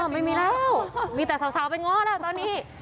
ไม่มีแล้วมีแต่สาวไปง้อแล้วตอนนี้